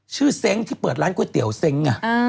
เซ้งที่เปิดร้านก๋วยเตี๋ยวเซ้ง